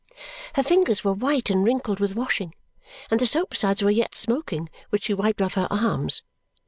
Her fingers were white and wrinkled with washing, and the soap suds were yet smoking which she wiped off her arms.